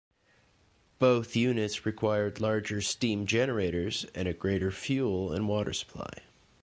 Both units required larger steam generators, and a greater fuel and water supply.